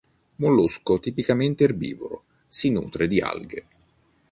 Mollusco tipicamente erbivoro, si nutre di alghe.